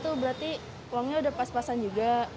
tuh berarti uangnya udah pas pasan juga